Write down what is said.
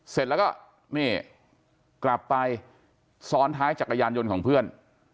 เสร็จแล้วก็นี่กลับไปซ้อนท้ายจักรยานยนต์ของเพื่อน